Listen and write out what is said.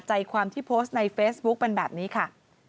ใจความที่โพสต์ในเฟซบุ๊คเป็นแบบนี้ค่ะ